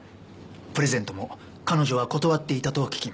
プレゼントも彼女は断っていたと聞きました。